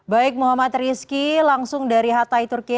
baik muhammad rizky langsung dari hatay turki